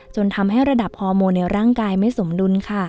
จนทำให้ระดับฮอร์โมนในร่างกายไม่สมดุลค่ะ